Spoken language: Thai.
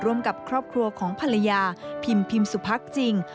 ร่วมกับครอบครัวของภรรยาพิมพิมสุพักจริง